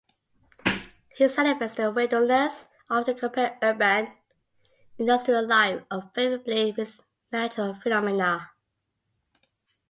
He celebrates the wilderness, often comparing urban, industrial life unfavorably with natural phenomena.